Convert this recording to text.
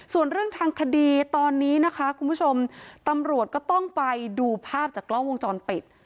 ในเรื่องทางคดีตอนนี้คุณประชำตำรวจก็ต้องไปดูภาพจากล้องวงจรปิด